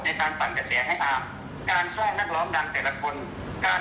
ในที่น้องเป็นคนแต่งแล้วจะได้ตอบแทนน้องโดยด้วยกัน